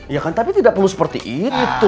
ya kan tapi tidak perlu seperti itu